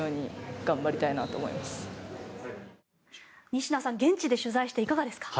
仁科さん、現地で取材していかがですか。